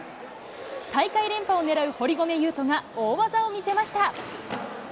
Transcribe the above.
大会連覇を狙う堀米雄斗が、大技を見せました。